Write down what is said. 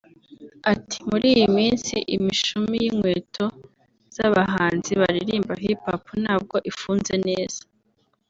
Ati “ Muri iyi minsi imishumi y’inkweto z’abahanzi baririmba Hip Hop ntabwo ifunze neza